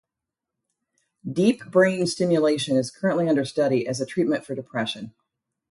Deep brain stimulation is currently under study as a treatment for depression.